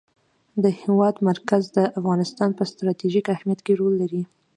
د هېواد مرکز د افغانستان په ستراتیژیک اهمیت کې رول لري.